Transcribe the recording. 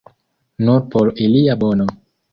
Nur por ilia bono.